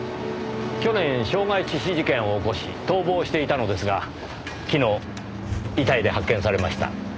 去年傷害致死事件を起こし逃亡していたのですが昨日遺体で発見されました。